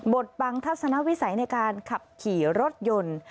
ดบังทัศนวิสัยในการขับขี่รถยนต์